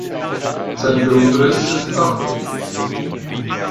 Sein Grundriss ist achteckig.